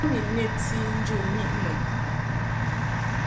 Bo ni nnebti njə miʼ mun.